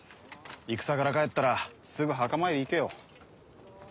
戦から帰ったらすぐ墓参り行けよ。